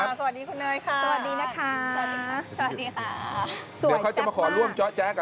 สวัสดีคุณเนยค่ะสวัสดีค่ะ